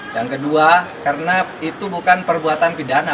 yang kedua karena itu bukan perbuatan pidana